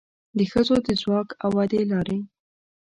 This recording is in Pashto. د ښځو د ځواک او ودې لارې